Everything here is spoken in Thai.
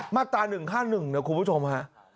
มาตรา๑ค่า๑เนี่ยคุณผู้ชมฮะ